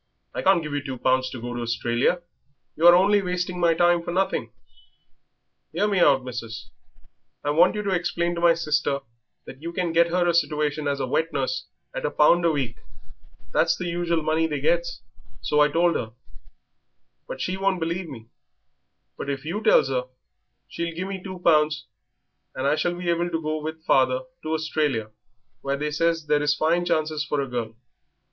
I can't give you two pounds to go to Australia. You are only wasting my time for nothing." "'Ear me out, missis. I want you to explain to my sister that you can get her a situation as a wet nurse at a pound a week that's the usual money they gets, so I told her, but she won't believe me; but if you tells her, she'll give me two pounds and I shall be able to go with father to Australia, where they says there is fine chances for a girl."